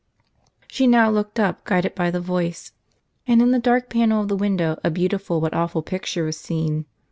She now looked up, guided by the voice, and in the dark panel of the window, a beautiful but awful picture was seen.